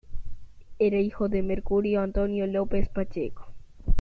Era hijo de Mercurio Antonio López-Pacheco.